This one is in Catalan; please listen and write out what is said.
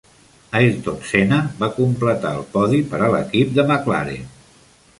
Ayrton Senna va completar el podi per a l'equip de McLaren.